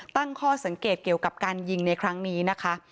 ตั้งข้อสังเกตเกี่ยวกับการยิงในครั้งนี้นะคะ